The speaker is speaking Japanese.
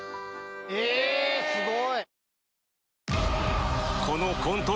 えすごい！